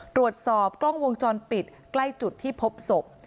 ตรวจสอบกล้องวงจรปิดใกล้จุดที่พบศพ